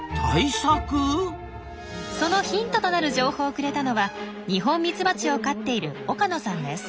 そのヒントとなる情報をくれたのはニホンミツバチを飼っている岡野さんです。